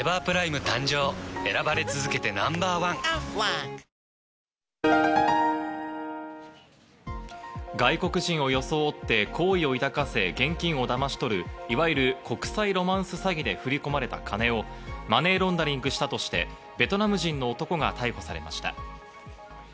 現在の燃料高に加えて、オミクロン株でさらなる打撃が予想されるため、外国人を装って好意を抱かせ、現金をだまし取る、いわゆる国際ロマンス詐欺で振り込まれた金をマネーロンダリングしたとしてベトナム人の男が逮捕されました。